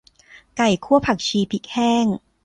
ไก่คั่วผักชีพริกแห้ง